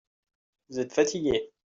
Vous êtes fatigués.